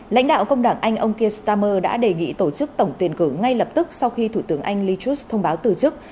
lãnh đạo công đảng anh ông kir stammer đã đề nghị tổ chức tổng tuyển cử ngay lập tức sau khi thủ tướng anh lee chus thông báo từ chức